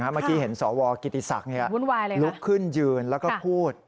เมื่อกี้เห็นสวกิติศักดิ์ลุกขึ้นยืนแล้วก็พูด